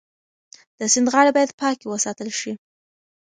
د سیند غاړې باید پاکې وساتل شي.